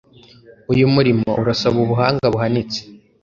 Uyu murimo urasaba ubuhanga buhanitse